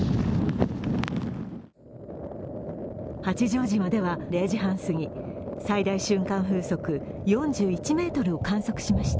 八丈島では０時半過ぎ、最大瞬間風速４１メートルを観測しました。